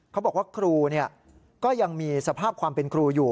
เขาบอกว่าครูก็ยังมีสภาพความเป็นครูอยู่